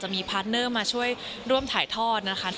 มีพาร์ทเนอร์มาช่วยร่วมถ่ายทอดนะคะ